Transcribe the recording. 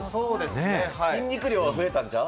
筋肉量は増えたんちゃう？